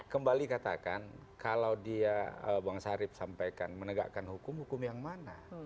kembali katakan kalau dia bang sarip sampaikan menegakkan hukum hukum yang mana